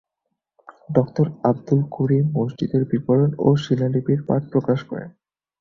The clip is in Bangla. ডক্টর আবদুল করিম মসজিদের বিবরণ ও শিলালিপির পাঠ প্রকাশ করেন।